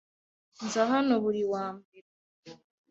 Nza hano buri wa mbere.